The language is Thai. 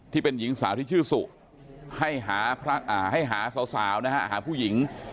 ที่เป็นหญิงสาวที่ชื่อสุให้หาสาวนะฮะหาผู้หญิง